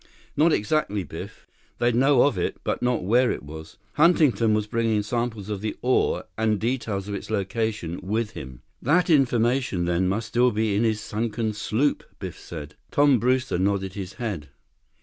"Not exactly, Biff. They'd know of it, but not where it was. Huntington was bringing samples of the ore, and details of its location, with him." "That information, then, must still be in his sunken sloop," Biff said. Tom Brewster nodded his head.